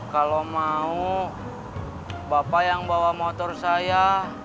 kalau mau bapak yang bawa motor saya